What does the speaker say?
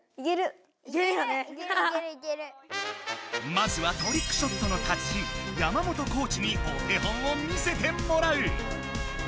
まずはトリックショットの達人山本コーチにお手本を見せてもらう。